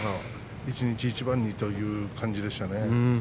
一日一番という感じでしたね。